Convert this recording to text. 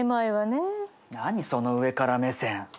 何その上から目線？